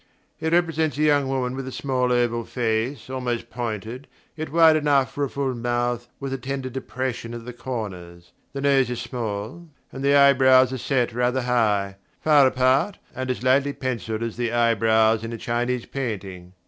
It represents a young woman with a small oval face, almost pointed, yet wide enough for a full mouth with a tender depression at the corners. The nose is small, and the eyebrows are set rather high, far apart, and as lightly pencilled as the eyebrows in a Chinese painting.